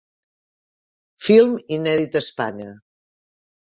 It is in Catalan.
Film inèdit a Espanya.